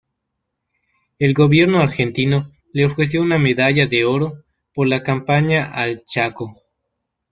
El gobierno argentino le ofreció una medalla de oro por la campaña al Chaco.